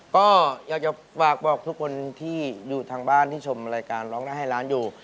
ก็อยากจะฝากบอกทุกคนที่อยู่ทางบ้านที่ชมรายการร้องได้ให้ล้านอยู่